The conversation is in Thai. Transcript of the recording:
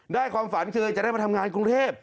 ความฝันคือจะได้มาทำงานกรุงเทพ